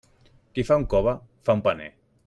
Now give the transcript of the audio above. Qui fa un cove, fa un paner.